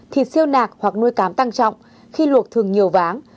thịt siêu nạc hoặc nuôi cám tăng trọng khi luộc thường nhiều váng